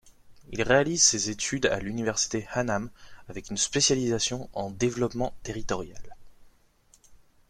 Il réalise ses études à l'université Hannam avec une spécialisation en développement territorial.